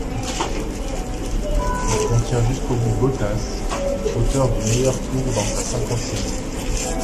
Il contient jusqu'au bout Bottas, auteur du meilleur tour dans sa cinquantième boucle.